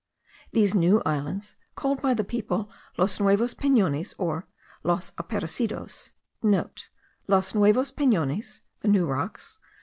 These new islands, called by the people Los nuevos Penones, or Los Aparecidos,* (* Los Nuevos Penones, the New Rocks.